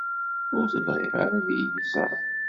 Ur t-bɣiɣ ara ad iyi-iẓer.